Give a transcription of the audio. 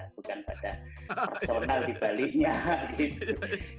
bukan pada personal dibaliknya gitu